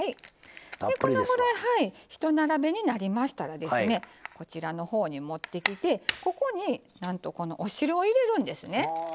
このぐらいひと並べになりましたらですねこちらのほうに持ってきてここになんとこのお汁を入れるんですね。